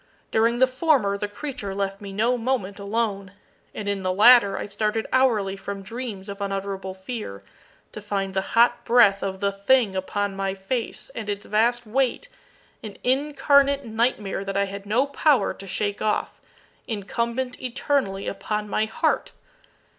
During the former the creature left me no moment alone; and in the latter I started hourly from dreams of unutterable fear, to find the hot breath of the thing upon my face, and its vast weight an incarnate nightmare that I had no power to shake off incumbent eternally upon my heart!